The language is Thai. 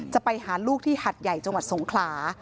ไปหาลูกที่หัดใหญ่จังหวัดสงขลา